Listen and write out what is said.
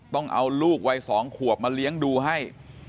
ต้องเอาลูกวัย๒ขวบมาเลี้ยงดูให้